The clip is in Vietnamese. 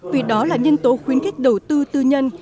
vì đó là nhân tố khuyến khích đầu tư tư nhân